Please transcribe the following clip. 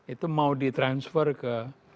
itu mau di transfer ke